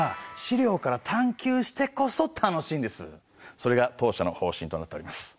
お客さんそれが当社の方針となっております。